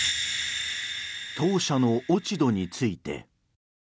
当社の落ち度について。